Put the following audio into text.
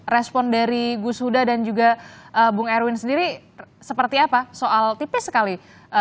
respon dari gus huda dan juga bung erwin sendiri seperti apa soal tipis sekali